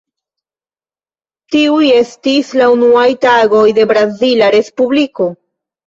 Tiuj estis la unuaj tagoj de brazila Respubliko.